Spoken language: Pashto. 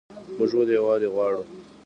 موږ ولې یووالی غواړو؟